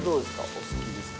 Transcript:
お好きですか？